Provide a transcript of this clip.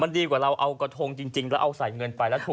มันดีกว่าเราเอากระทงจริงแล้วเอาใส่เงินไป